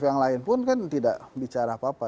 yang lain pun kan tidak bicara apa apa